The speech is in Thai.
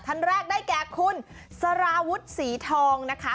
ท่านแรกได้แก่คุณสารวุฒิศรีทองนะคะ